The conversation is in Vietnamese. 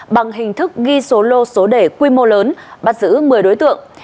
bằng hình thức ghi số lô số đề quy mô lớn bắt giữ một mươi đối tượng